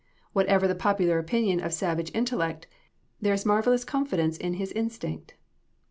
Whatever the popular opinion of savage intellect, there is marvelous confidence in his instinct.